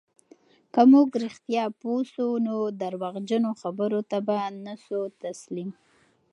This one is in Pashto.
که موږ رښتیا پوه سو، نو درواغجنو خبرو ته به نه سو تسلیم.